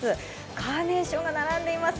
カーネーションが並んでいます